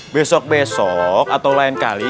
besok besok atau lain kali